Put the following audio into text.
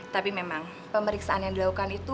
tapi memang pemeriksaan yang dilakukan itu